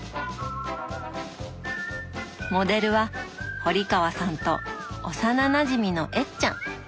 モデルは堀川さんと幼なじみの「えっちゃん」。